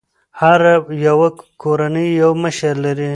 هره يوه کورنۍ یو مشر لري.